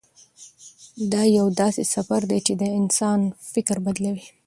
دا یو داسې سفر دی چې د انسان فکر بدلوي.